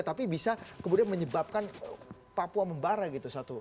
tapi bisa kemudian menyebabkan papua membara gitu